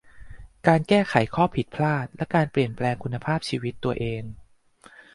การแก้ไขข้อผิดพลาดและการเปลี่ยนแปลงคุณภาพชีวิตตัวเอง